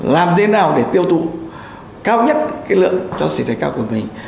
làm thế nào để tiêu thụ cao nhất lượng cho xỉ từ cao của mình